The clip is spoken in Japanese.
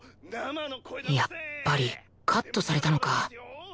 やっぱりカットされたのか